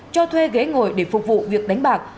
cho thuê ghế ngồi để phục vụ việc đánh bạc